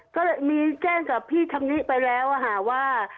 ก็เลยมีแจ้งกับพี่ชำนิไปแล้วว่า